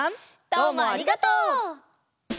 どうもありがとう！